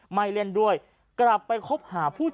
ชาวบ้านญาติโปรดแค้นไปดูภาพบรรยากาศขณะ